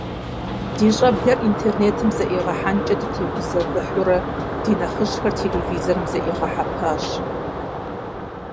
Ди щӏэблэр интернетым зэӏигъэхьэнкӏэ дытегузэвыхьурэ, ди нэхъыжьхэр телевизорым зэӏигъэхьэпащ.